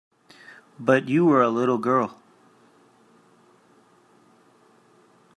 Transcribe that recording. But you were a little girl.